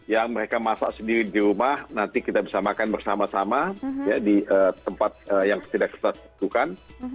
yang mereka masak sendiri di rumah nanti kita bisa makan bersama sama di tempat yang tidak kita tentukan